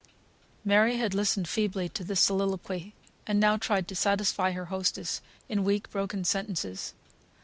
Mary had listened feebly to this soliloquy, and now tried to satisfy her hostess in weak, broken sentences.